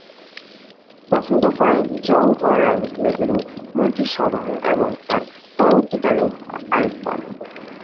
প্রথম দফায় জওহরলাল নেহেরুর মন্ত্রীসভায় এবং এর পরবর্তীকালে আরেকবার।